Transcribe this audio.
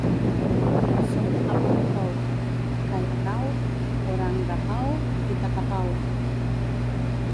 Són a Pukehou, Kairakau, Porangahau i Takapau.